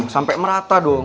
sampai merata dong